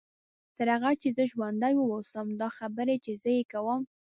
تر هغه چې زه ژوندۍ واوسم دا خبرې چې زه یې کوم.